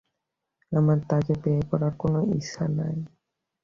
আমার তোকে বিয়ে করার কোনো ইচ্ছা নাই।